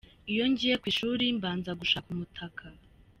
Iyo ngiye ku ishuri mbanza gushaka umutaka.